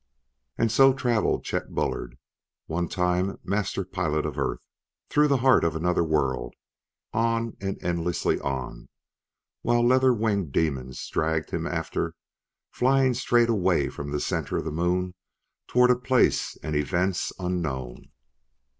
And so traveled Chet Bullard, one time Master Pilot of Earth, through, the heart of another world on and endlessly on, while leather winged demons dragged him after, flying straight away from the center of the Moon toward a place and events unknown.